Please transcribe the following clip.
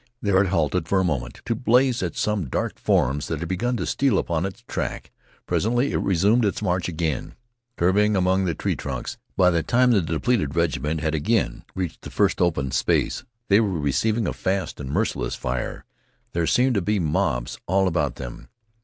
There it halted for a moment to blaze at some dark forms that had begun to steal upon its track. Presently it resumed its march again, curving among the tree trunks. By the time the depleted regiment had again reached the first open space they were receiving a fast and merciless fire. There seemed to be mobs all about them.